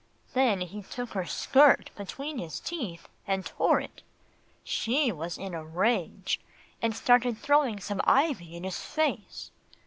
Then he took her skirt between his teeth, and tore it. She was in a rage, and started throwing some ivy in his face.